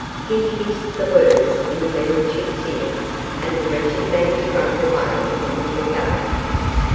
He hissed the words in Meddlechip's ear, and the wretched man shrank away from him again.